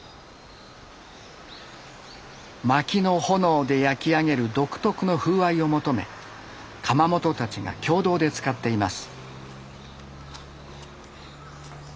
薪の炎で焼き上げる独特の風合いを求め窯元たちが共同で使っています。